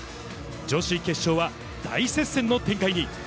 女子決勝は大接戦の展開に。